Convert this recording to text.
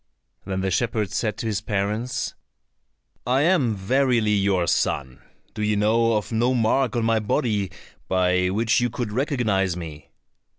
Then the shepherd said to his parents, "I am verily your son. Do you know of no mark on my body by which you could recognize me?"